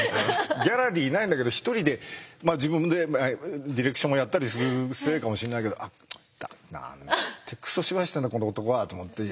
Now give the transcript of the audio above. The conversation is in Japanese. ギャラリーいないんだけど一人で自分でディレクションをやったりするせいかもしんないけど「なんてくそ芝居してんだこの男は」と思ってえ！